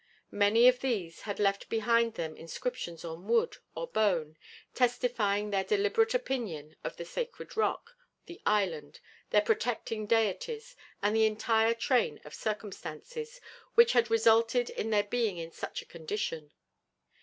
Many of these had left behind them inscriptions on wood or bone testifying their deliberate opinion of the sacred rock, the island, their protecting deities, and the entire train of circumstances, which had resulted in their being in such a condition.